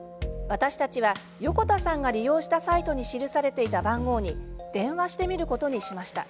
私たちは横田さんが利用したサイトに記されていた番号に電話してみることにしました。